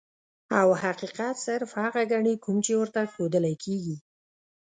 او حقيقت صرف هغه ګڼي کوم چې ورته ښودلے کيږي -